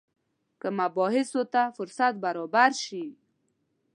که مباحثو ته فرصت برابر شي.